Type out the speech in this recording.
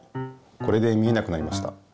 これで見えなくなりました。